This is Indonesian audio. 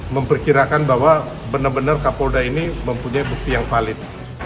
memperkirakan bahwa benar benar kapolda ini mempunyai bukti yang valid